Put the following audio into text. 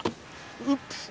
ウップス！